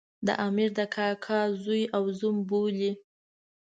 د امیر د کاکا زوی او زوم بولي.